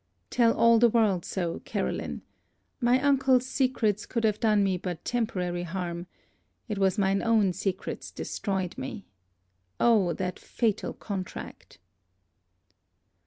Tell all the world so, Caroline. My uncle's secrets could have done me but temporary harm, it was mine own secrets destroyed me Oh that fatal contract!'